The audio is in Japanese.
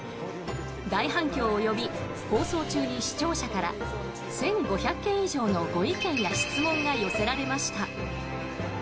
大反響を呼び放送中に視聴者から１５００件以上のご意見や質問が寄せられました。